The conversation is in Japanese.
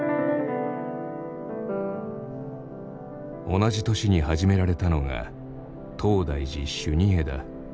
同じ年に始められたのが東大寺修二会だ。